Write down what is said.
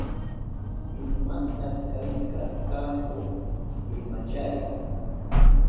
¿Imata kayka kahu? Imachari.